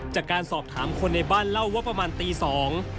จากการสอบถามคนในบ้านเล่าว่าประมาณตีสอง